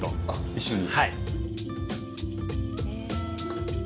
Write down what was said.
一緒に。